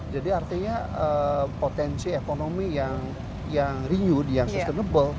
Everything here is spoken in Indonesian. jadi artinya potensi ekonomi yang renewed yang sustainable